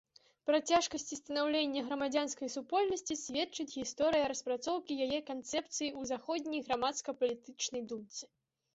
Пра цяжкасці станаўлення грамадзянскай супольнасці сведчыць гісторыя распрацоўкі яе канцэпцыі ў заходняй грамадска-палітычнай думцы.